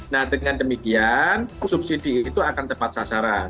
nah dengan demikian subsidi itu akan tepat sasaran